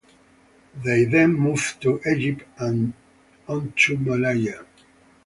They then moved to Egypt and on to Malaya.